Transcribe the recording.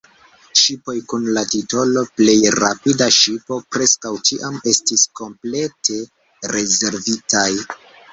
Ŝipoj kun la titolo "plej rapida ŝipo" preskaŭ ĉiam estis komplete rezervitaj.